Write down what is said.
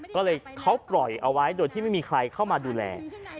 ก็เลยเขาปล่อยเอาไว้โดยที่ไม่มีใครเข้ามาดูแล